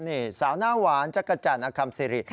นี่สาวหน้าหวานจักรจันทร์อคัมซิริ